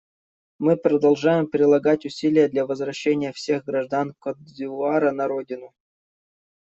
Мы продолжаем прилагать усилия для возвращения всех граждан Котд'Ивуара на родину.